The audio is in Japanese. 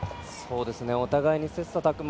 お互いに切さたく磨。